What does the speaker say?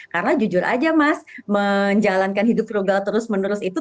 karena jujur aja mas menjalankan hidup frugal terus menerus itu